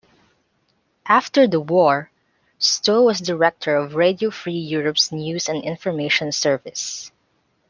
After the war, Stowe was director of Radio Free Europe's News and Information Service.